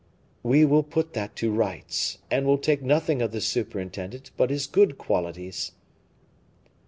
"We will put that to rights, and will take nothing of the superintendent but his good qualities."